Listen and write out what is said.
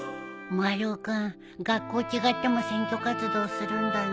丸尾君学校違っても選挙活動するんだね